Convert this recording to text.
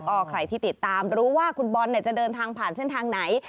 ก็ใครที่ติดตามรู้ว่าคุณบอลจะเดินทางผ่านเส้นทางไหน